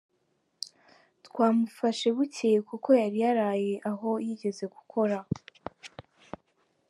Twamufashe bukeye kuko yari yaraye aho yigeze gukora.